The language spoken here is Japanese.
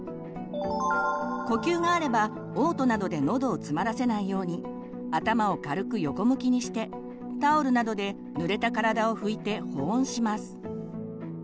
呼吸があればおう吐などでのどをつまらせないように頭を軽く横向きにしてタオルなどでぬれた体を拭いて保温します。